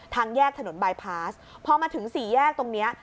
ทางแยกถนนพอมาถึงสี่แยกตรงเนี้ย